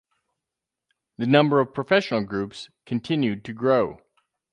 The number of professional groups continued to grow.